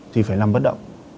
thì phải nằm bất động